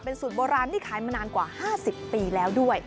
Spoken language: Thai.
สูตรโบราณที่ขายมานานกว่า๕๐ปีแล้วด้วย